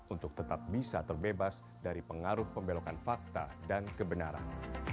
untuk tetap bisa terbebas dari pengaruh pembelokan fakta dan kebenaran